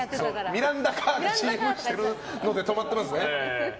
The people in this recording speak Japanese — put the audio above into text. ミランダ・カーがＣＭしてるので止まってますね。